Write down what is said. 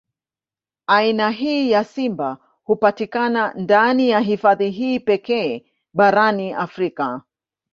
Aina hii ya simba hupatikana ndani ya hifadhi hii pekee barani Afrika.